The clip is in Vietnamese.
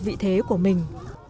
vị thế của mình